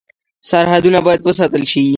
سرحدونه باید وساتل شي